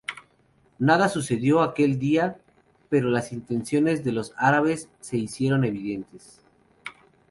Nada sucedió aquel día, pero las intenciones de los árabes se hicieron evidentes.